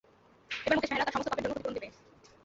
এবার মুকেশ মেহরা তার সমস্ত পাপের জন্য ক্ষতিপূরণ দেবে।